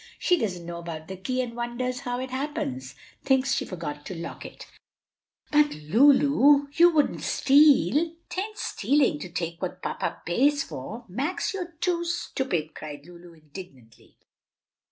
She doesn't know about the key and wonders how it happens; thinks she forgot to lock it." "But, Lulu, you wouldn't steal!" "'Taint stealing to take what papa pays for! Max, you're too stupid!" cried Lulu indignantly.